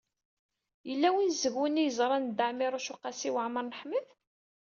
Yella win seg-wen i yeẓran Dda Ɛmiiruc u Qasi Waɛmer n Ḥmed?